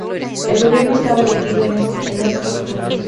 El gobierno estaba dividido en estos puntos.